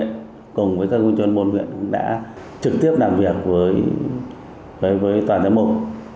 lãnh đạo huyện cùng với các huyện truyền bôn huyện đã trực tiếp làm việc với tòa giám mục